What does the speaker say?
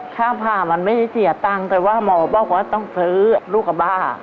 ค่าผ่ามันไม่ได้เสียตังค์แต่ว่าหมอบอกว่าต้องซื้อลูกกับบ้า